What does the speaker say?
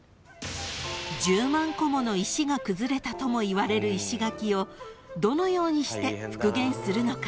［１０万個もの石が崩れたともいわれる石垣をどのようにして復元するのか？］